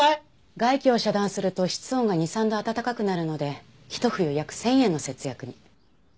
外気を遮断すると室温が２３度暖かくなるのでひと冬約１０００円の節約に。